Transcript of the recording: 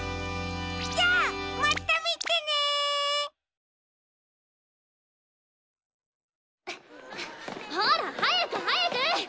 じゃまたみてね！ほら早く早く！